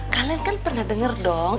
kalian kan pernah dengar dong